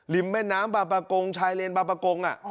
ริมแม่น้ำปาปะโกงชายเร็นปาปะโกงอ่ะ